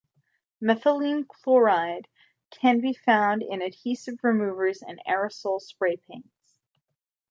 Methylene chloride can be found in adhesive removers and aerosol spray paints.